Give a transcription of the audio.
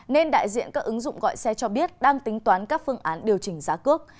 nên đại diện các ứng dụng gọi xe cho biết đang tính toán các phương án điều chỉnh giá cước